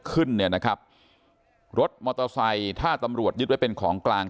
ขึ้นเนี่ยนะครับรถมอเตอร์ไซค์ถ้าตำรวจยึดไว้เป็นของกลาง